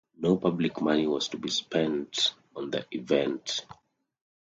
No public money was to be spent on the event.